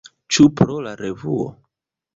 Ĉu pro la revuo?